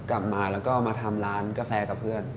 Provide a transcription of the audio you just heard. กลับมาแล้วก็มาทำร้านกาแฟกับเพื่อน